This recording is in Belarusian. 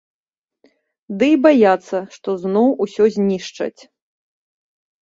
Ды і баяцца, што зноў усё знішчаць.